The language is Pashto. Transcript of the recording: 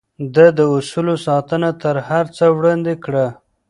ده د اصولو ساتنه تر هر څه وړاندې کړه.